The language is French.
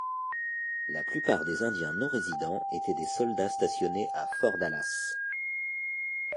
La plupart des Indiens non-résidents étaient des soldats stationnés à Fort Dallas.